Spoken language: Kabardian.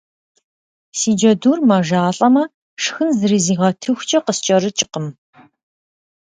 Си джэдур мэжалӏэмэ шхын зыризыгъэтыхукӏэ къыскӏэрыкӏкъым.